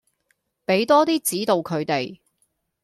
畀多啲指導佢哋